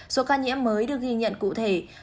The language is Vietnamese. số ca nhiễm mới được ghi nhận cụ thể